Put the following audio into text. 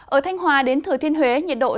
ở thanh hòa đến thừa thiên huế nhiệt độ gió đông